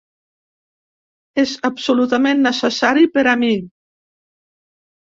És absolutament necessari per a mi.